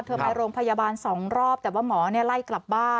ไปโรงพยาบาล๒รอบแต่ว่าหมอไล่กลับบ้าน